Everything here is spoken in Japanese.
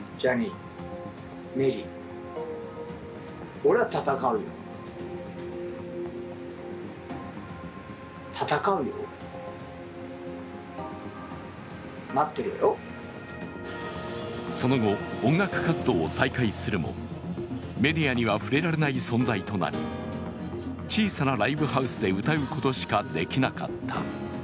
彼が訴えてきたのはその後、音楽活動を再開するも、メディアには触れられない存在となり小さなライブハウスで歌うことしかできなかった。